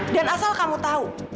dan asal kamu tau